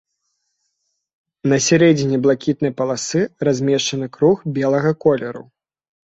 На сярэдзіне блакітнай паласы размешчаны круг белага колеру.